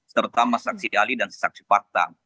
serta sama saksi ahli dan saksi fakta